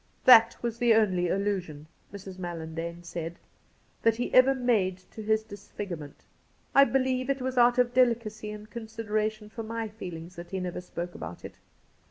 1 66 Cassidy ' That was the only allusion,' Mrs. Mallandane said, ' that he ever made to his disjfigurement. I believe it was out of delicacy and consideration for my feelings that he never spoke about it.